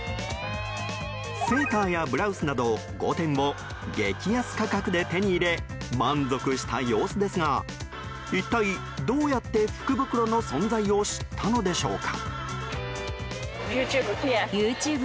セーターやブラウスなど５点を激安価格で手に入れ満足した様子ですが一体どうやって福袋の存在を知ったのでしょうか。